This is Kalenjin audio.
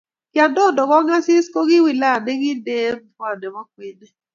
kyandondo kongasis koki wilaya nekindee en mkoa nepo kwenee